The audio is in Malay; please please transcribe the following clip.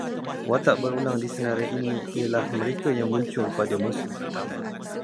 Watak berulang di senarai ini ialah mereka yang muncul pada musim pertama